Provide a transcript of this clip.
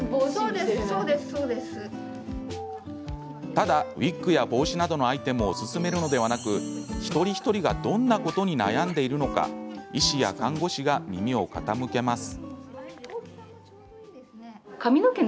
ただウイッグや帽子などのアイテムを勧めるのではなく一人一人がどんなことに悩んでいるのか医師や看護師が耳を傾けます。